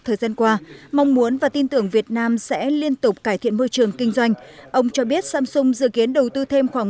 thời gian qua mong muốn và tin tưởng việt nam sẽ liên tục cải thiện môi trường kinh doanh ông cho biết samsung dự kiến đầu tư thêm khoảng